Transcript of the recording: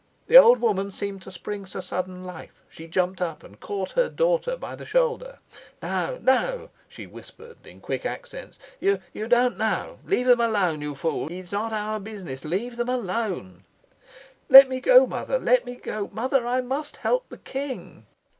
The old woman seemed to spring to sudden life. She jumped up and caught her daughter by the shoulder. "No, no," she whispered in quick accents. "You you don't know. Let them alone, you fool! It's not our business. Let them alone." "Let me go, mother, let me go! Mother, I must help the king!"